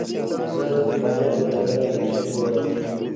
زه د پخوانیو ودانیو نقشې ګورم.